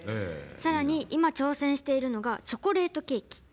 さらに今、挑戦しているのがチョコレートケーキ。